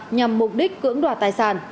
nhằm mục đích cưỡng đoạt tài sản